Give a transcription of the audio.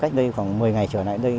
cách đây khoảng một mươi ngày trở lại đây